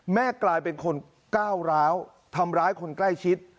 กลายเป็นคนก้าวร้าวทำร้ายคนใกล้ชิด